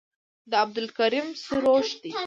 دا عبدالکریم سروش ده.